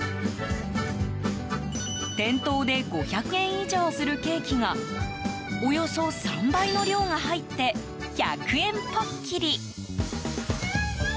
店頭で５００円以上するケーキがおよそ３倍の量が入って１００円ぽっきり。